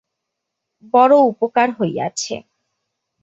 বড়ো উপকার হইয়াছে।